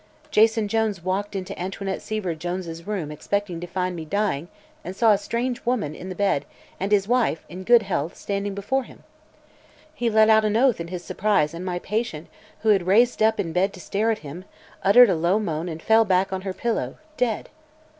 Jason Jones walked into Antoinette Seaver Jones' room expecting to find me dying, and saw a strange woman in the bed and his wife in good health standing before him. He let out an oath in his surprise and my patient, who had raised up in bed to stare at him, uttered a low moan and fell back on her pillow, dead.